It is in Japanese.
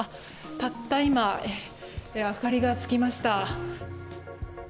たった今、明かりがつきました。